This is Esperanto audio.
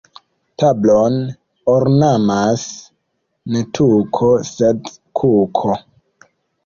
Tablon ornamas ne tuko, sed kuko.